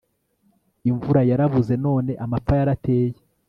imvura yarabuze none amapfa yarateye